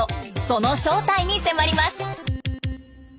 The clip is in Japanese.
その正体に迫ります。